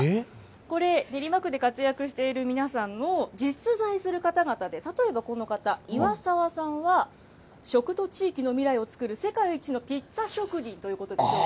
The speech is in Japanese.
これ、練馬区で活躍している皆さんの実在する方々で、例えばこの方、いわさわさんは、食と地域の未来をつくる世界一のピッツァ職人ということです